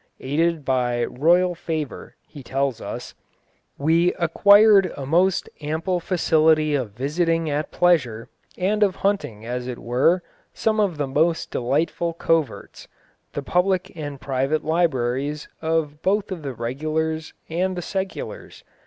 Aided by royal favour, he tells us, "we acquired a most ample facility of visiting at pleasure and of hunting as it were some of the most delightful coverts, the public and private libraries both of the regulars and the seculars....